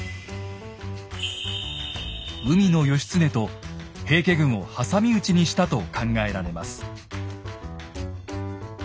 海の義経と平家軍を挟み撃ちにしたと考えられます。